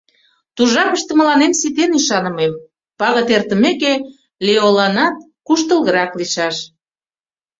Ту жапыште мыланем ситен ӱшанымем: пагыт эртымеке, Леоланат куштылгырак лийшаш.